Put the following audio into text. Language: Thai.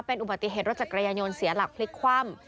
เป็นอุบัติเหตุรถจักรยานยนต์เสียหลักพลิกคว่ำ